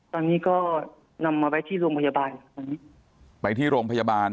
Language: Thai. ตอนนี้ก็นำมาไปที่โรงพยาบาล